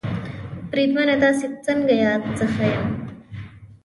بریدمنه تاسې څنګه یاست؟ زه ښه یم.